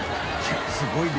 すごい量。